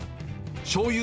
しょうゆ